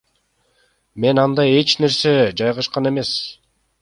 Менде андай эч нерсе жайгашкан эмес.